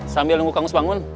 sambil nunggu kang us bangun